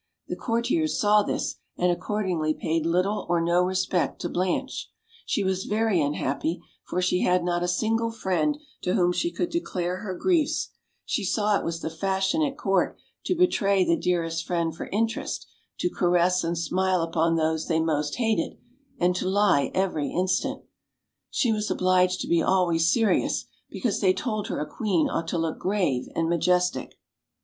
The courtiers saw this, and accordingly paid little or no respect to Blanche. She was very un happy, for she had not a single friend to whom she could declare her griefs; she saw it was the fashion at court to betray the dearest friend for interest, to caress and smile upon those they most hated, and to lie every instant; she was obliged to be always serious, because they told her a queen ought to look grave and majestic.